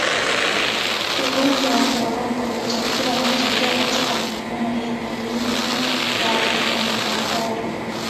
Ugonjwa wa ndorobo hutokea hutokea katika maeneo yenye wingi wa wanyamapori